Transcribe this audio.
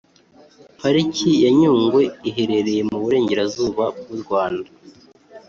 Pariki ya nyungwe iherereye mu burengerazuba bw u Rwanda